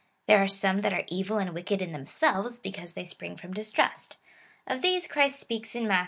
There are some that are evil and wicked in themselves, because they spring from distrust. Of these Christ speaks in Matt.